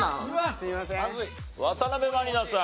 すいません。